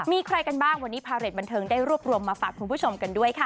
มีใครกันบ้างวันนี้พาเรทบันเทิงได้รวบรวมมาฝากคุณผู้ชมกันด้วยค่ะ